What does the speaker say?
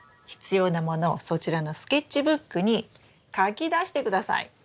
必要なものをそちらのスケッチブックに書き出して下さい。